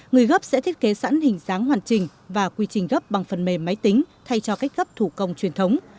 người gấp sẽ thiết kế sẵn hình dáng hoàn trình và quy trình gấp bằng phần mềm máy tính thay cho cách gấp thủ công truyền thống